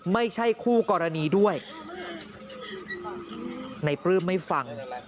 ไม่ใช่คู่กรณีด้วยในปลื้มไม่ฟัง